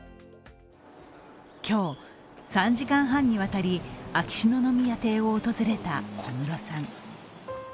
今日、３時間半にわたり秋篠宮邸を訪れた小室さん。